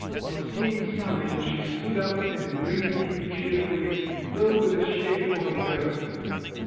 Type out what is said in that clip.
On seeing Sanin, she stood up, and greeted him cheerfully, though with a shade of embarrassment.